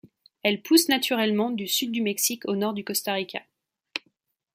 Elle pousse naturellement du Sud du Mexique au Nord du Costa Rica.